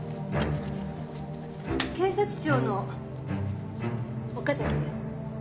警察庁の岡崎です。